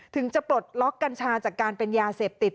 ถึงจะปลดล็อกกัญชาจากการเป็นยาเสพติด